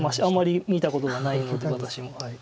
あんまり見たことがないので私も。